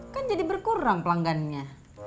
kan jadi berkurang pelanggannya